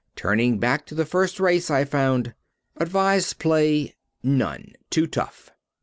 Turning back to the first race I found, "Advised play None, too tough."